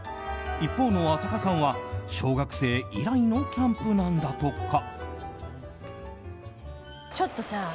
一方の浅香さんは小学生以来のキャンプなんだとか。